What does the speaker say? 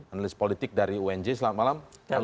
analis politik dari unj selamat malam